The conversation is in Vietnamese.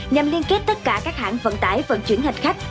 nhằm liên kết tất cả các hãng vận tải vận chuyển hành khách